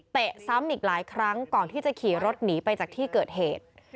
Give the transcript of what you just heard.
ซ้ำอีกหลายครั้งก่อนที่จะขี่รถหนีไปจากที่เกิดเหตุ